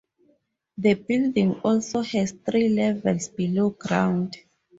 The building also has three levels below ground.